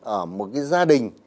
ở một cái gia đình